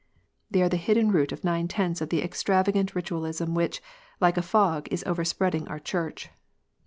They are the hidden root of nine tenths of the extravagant Kitualism which, like a fog, is overspreading our Church.